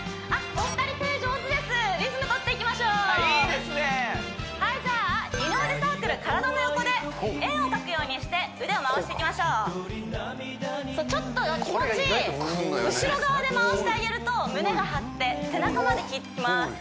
お二人手上手ですリズムとっていきましょうあっいいですねはいじゃあ二の腕サークル体の横で円を描くようにして腕を回していきましょうそうちょっと気持ちいい後ろ側で回してあげると胸が張って背中まできいてきます